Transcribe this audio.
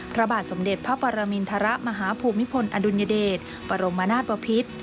พระบาทสมเด็จพระปรมินทรมาฮภูมิพลอดุลยเดชบรมนาศบพิษ